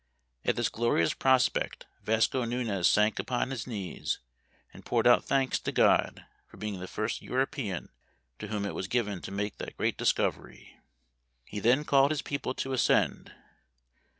" At this glorious prospect Vasco Nunez sank upon his knees, and poured out thanks to God for being the first European to whom it was given to make that great discovery. He then called his people to ascend.